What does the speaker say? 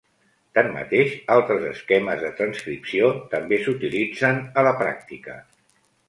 Tanmateix, altres esquemes de transcripció també s'utilitzen a la pràctica.